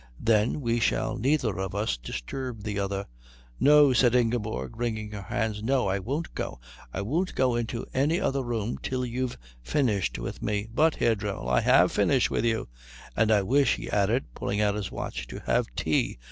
Then we shall neither of us disturb the other." "No," said Ingeborg, wringing her hands, "no. I won't go. I won't go into any other room till you've finished with me." "But," said Herr Dremmel, "I have finished with you. And I wish," he added, pulling out his watch, "to have tea.